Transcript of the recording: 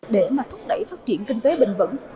để mà thúc đẩy phát triển kinh tế bền vững